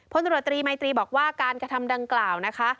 พลตรวจตรีมัยตรีบอกว่าการกระทำดังกล่าวนะคะ